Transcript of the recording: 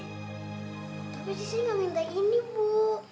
tapi sisi gak minta ini bu